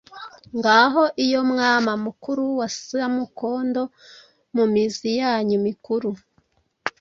Ngaho iyo mwama Mukuru wa Samukondo Mu mizi yanyu mikuru".